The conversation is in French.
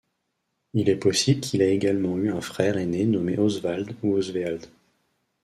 Il est possible qu'il ait également eu un frère aîné nommé Oswald ou Osweald.